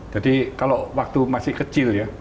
jadi kalau waktu masih kecil ya